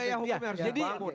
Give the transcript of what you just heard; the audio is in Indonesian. budaya hukum harus terbangun